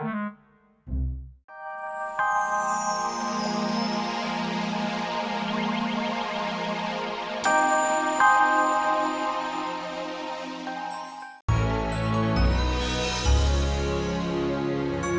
ini belum dihidupin